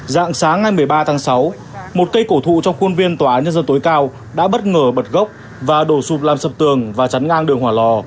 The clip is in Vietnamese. dạng sáng ngày một mươi ba tháng sáu một cây cổ thụ trong khuôn viên tòa án nhân dân tối cao đã bất ngờ bật gốc và đổ sụp làm sập tường và chắn ngang đường hỏa lò